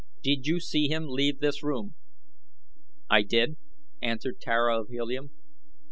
Did you see him leave this room?" "I did," answered Tara of Helium.